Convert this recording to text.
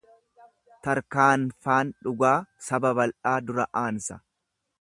Tarkaanfaan dhugaa saba bal'aa dura aansa.